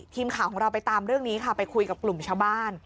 ทีมข่าวของเราไปตามเรื่องนี้ค่ะไปคุยกับกลุ่มชาวบ้าน